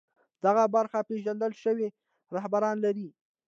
دغه برخه پېژندل شوي رهبران لري